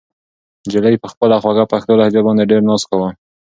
نجلۍ په خپله خوږه پښتو لهجه باندې ډېر ناز کاوه.